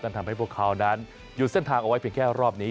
ทำให้พวกเขานั้นหยุดเส้นทางเอาไว้เพียงแค่รอบนี้